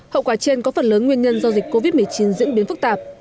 hậu quả trên có phần lớn nguyên nhân do dịch covid một mươi chín diễn biến phức tạp